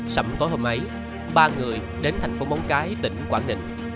sắm tối hôm ấy ba người đến thành phố móng cái tỉnh quảng ninh